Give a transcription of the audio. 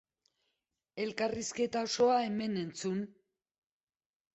Elkarrizketa osoa hemen entzun!